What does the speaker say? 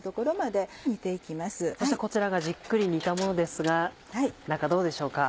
そしてこちらがじっくり煮たものですが中どうでしょうか？